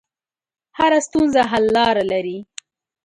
هره ستونزه حل لاره لري.